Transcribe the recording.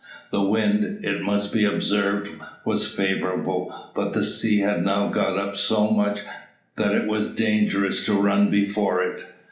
The wind, it must be observed, was favourable; but the sea had now got up so much, that it was dangerous to run before it.